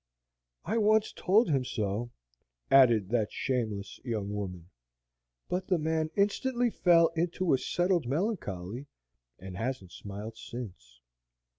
"I once told him so," added that shameless young woman; "but the man instantly fell into a settled melancholy, and hasn't smiled since."